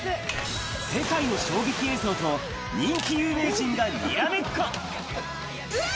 世界の衝撃映像と人気有名人がにらめっこうわ！